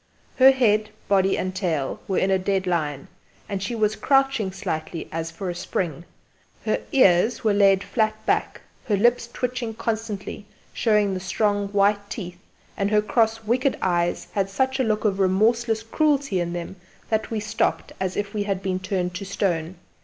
Her head, body and tail were in a dead line, and she was crouching slightly as for a spring; her ears were laid flat back, her lips twitching constantly, showing the strong white teeth, and her cross wicked eyes had such a look of remorseless cruelty in them that we stopped as if we had been turned to stone.